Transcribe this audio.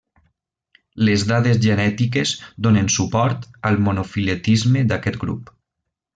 Les dades genètiques donen suport al monofiletisme d'aquest grup.